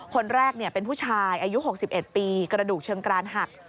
คนแรกเป็นผู้ชายอายุ๖๑ปีกระดูกเชิงกรานหัก